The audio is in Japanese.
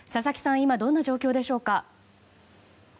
今どんな状況でしょうか？